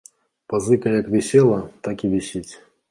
Пазыка як вісела, так і вісіць.